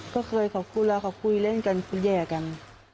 ก็เคยขอบคุณแล้วเขาคุยเล่นกันคุยแย่กัน